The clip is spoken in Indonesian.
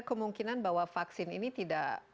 kemungkinan bahwa vaksin ini tidak